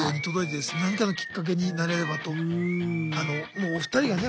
もうお二人がね